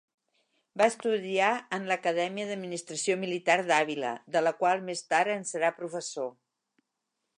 Va estudiar en l'Acadèmia d'Administració Militar d'Àvila, de la qual més tard en serà professor.